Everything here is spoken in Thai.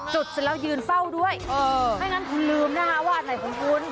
จุดเสร็จแล้วยืนเฝ้าด้วยไม่งั้นคุณลืมนะคะว่าอันไหนของคุณ